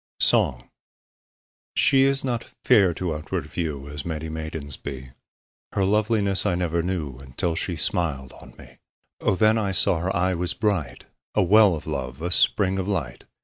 Song SHE is not fair to outward view As many maidens be, Her loveliness I never knew Until she smiled on me; O, then I saw her eye was bright, 5 A well of love, a spring of light!